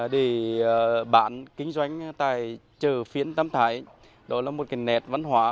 để bán kinh doanh tại chợ phiên tâm thái đó là một nét văn hóa